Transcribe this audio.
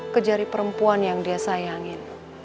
kejari perempuan yang dia sayangin